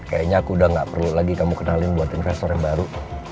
kayaknya aku udah gak perlu lagi kamu kenalin buat investor yang baru